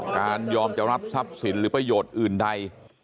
การยอมจะรับทรัพย์สินหรือประโยชน์อื่นใด